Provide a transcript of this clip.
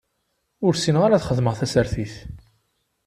Ur ssineɣ ara ad xedmeɣ tasertit.